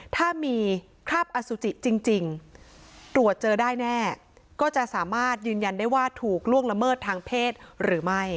ถ้ามีคราบอสุจิจริงตรวจเจอได้แน่ก็จะสามารถยืนยันได้ว่าถูกล่วงละเมิดทางเพศหรือไม่